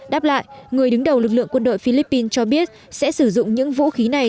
đáp lại người đứng đầu lực lượng quân đội philippines cho biết sẽ sử dụng những vũ khí này